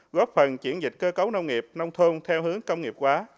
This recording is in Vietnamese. góp phần triển dịch cơ cấu nông nghiệp nông thôn theo hướng công nghiệp quá